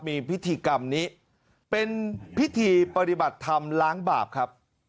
มีพิธีกรรมนี้เป็นพิธีปฏิบัติธรรมล้างบาปครับ